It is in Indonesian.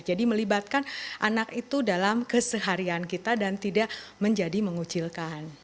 jadi melibatkan anak itu dalam keseharian kita dan tidak menjadi mengucilkan